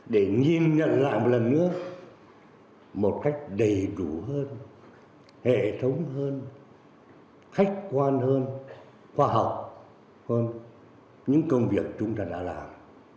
để nhìn nhận lại một lần nữa một cách đầy đủ hơn hệ thống hơn khách quan hơn khoa học hơn những công việc chúng ta đã làm